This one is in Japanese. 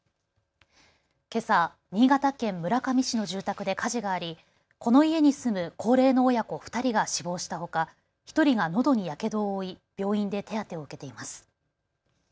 けさ、新潟県村上市の住宅で火事がありこの家に住む高齢の親子２人が死亡したほか１人がのどにやけどを負い病院で手当てを受けています。